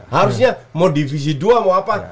harusnya mau divisi dua mau apa